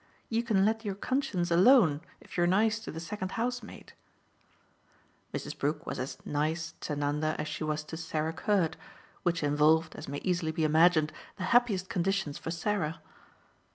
You can let your conscience alone if you're nice to the second housemaid." Mrs. Brook was as "nice" to Nanda as she was to Sarah Curd which involved, as may easily be imagined, the happiest conditions for Sarah.